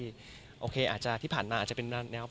ก็มีไปคุยกับคนที่เป็นคนแต่งเพลงแนวนี้